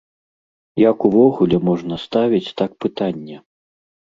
Як увогуле можна ставіць так пытанне!